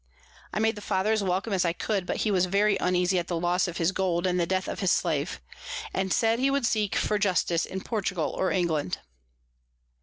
I made the Father as welcome as I could, but he was very uneasy at the Loss of his Gold and the Death of his Slave, and said he would seek for Justice in Portugal or England.